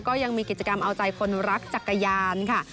ก็ยังมีกิจกรรมเอาใจคนรักจักรยานค่ะ